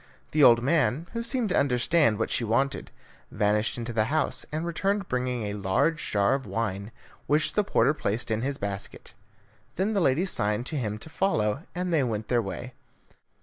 The old man, who seemed to understand what she wanted, vanished into the house, and returned bringing a large jar of wine, which the porter placed in his basket. Then the lady signed to him to follow, and they went their way.